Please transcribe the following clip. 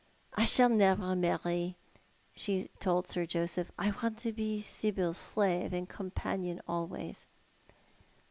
" I shall never marry," she told Sir Joseph. " I want to be Sibyl's slave and companion always."